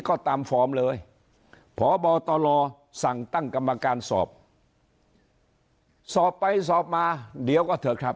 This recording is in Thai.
ก็ตามฟอร์มเลยพบตลสั่งตั้งกรรมการสอบสอบไปสอบมาเดี๋ยวก็เถอะครับ